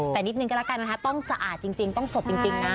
แต่นิดนึงก็แล้วกันนะคะต้องสะอาดจริงต้องสดจริงนะ